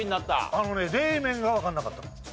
あのね冷麺がわからなかったんです。